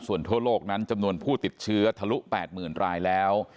ส่วนทั่วโลกนั้นจำนวนผู้ติดเชื้อทะลุ๘๐๐๐รายแล้ว